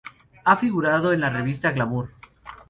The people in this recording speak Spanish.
Ha figurado en la revista "Glamour".